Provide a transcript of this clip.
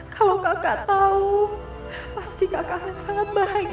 kalau kakak tau pasti kakak akan sangat bahagia bertemu dia